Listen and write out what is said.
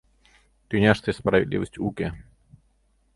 Тӱняште справедливость уке...